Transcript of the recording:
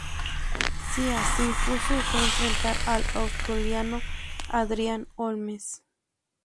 Cía se impuso, y fue enfrentar al australiano Adrian Holmes.